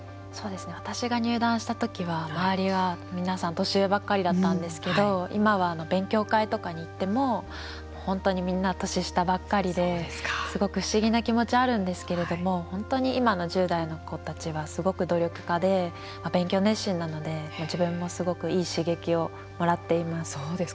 私が入段した時は周りは皆さん年上ばっかりだったんですけど今は勉強会とかに行っても本当にみんな年下ばっかりですごく不思議な気持ちあるんですけれども本当に今の１０代の子たちはすごく努力家で勉強熱心なので自分もすごくいい刺激をもらっています。